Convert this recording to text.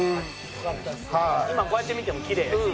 今こうやって見てもきれいやし。